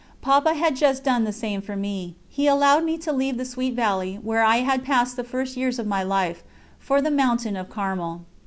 Papa had just done the same for me. He allowed me to leave the sweet valley, where I had passed the first years of my life, for the mountain of Carmel.